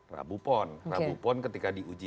rabu pon rabu pon ketika diuji